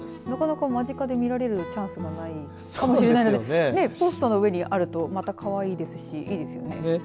なかなか間近で見られるチャンスがないかもしれないのでポストの上にあるとまた、かわいいですしいいですよね。